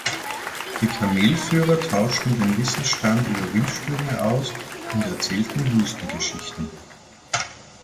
die Kamelführer tauschten den Wissensstand über Windstürme aus und erzählten Wüstengeschichten.